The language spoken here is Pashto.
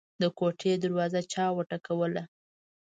د کوټې دروازه چا وټکوله.